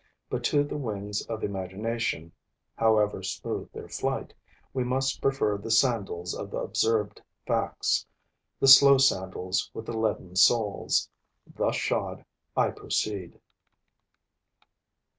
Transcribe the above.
But to the wings of imagination, however smooth their flight, we must prefer the sandals of observed facts, the slow sandals with the leaden soles. Thus shod, I proceed.